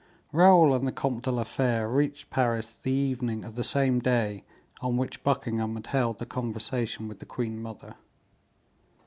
Raoul and the Comte de la Fere reached Paris the evening of the same day on which Buckingham had held the conversation with the queen mother.